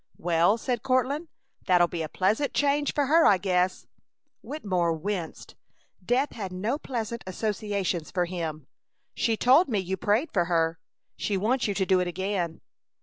"Well," said Courtland, "that'll be a pleasant change for her, I guess." Wittemore winced. Death had no pleasant associations for him. "She told me you prayed for her! She wants you to do it again!"